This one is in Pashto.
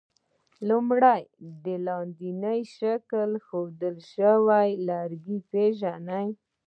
لومړی: آیا لاندیني شکل کې ښودل شوي لرګي پېژنئ؟